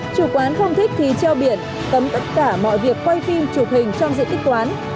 chủ quán không thích thì treo biển cấm tất cả mọi việc quay phim chụp hình trong diện tích quán